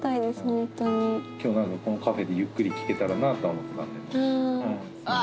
本当に今日何かこのカフェでゆっくり聞けたらなとは思ってたんであぁ